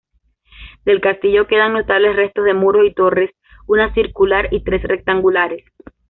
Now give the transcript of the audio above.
Del castillo quedan notables restos de muros y torres una circular y tres rectangulares.